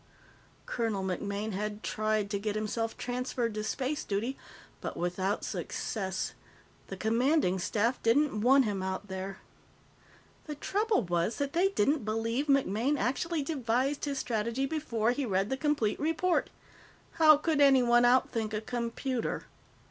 Colonel MacMaine had tried to get himself transferred to space duty, but without success. The Commanding Staff didn't want him out there. The trouble was that they didn't believe MacMaine actually devised his strategy before he read the complete report. How could anyone out think a computer?